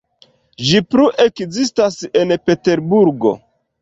Ĝi plu ekzistas en Peterburgo.